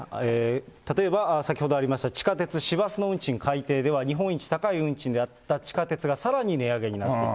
例えば、先ほどありました、地下鉄、市バスの運賃改定では、日本一高い運賃であった地下鉄がさらに値上げになると。